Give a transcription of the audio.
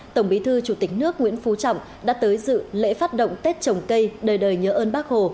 tổng bí thư chủ tịch nước nguyễn phú trọng đã tới dự lễ phát động tết trồng cây đời đời nhớ ơn bác hồ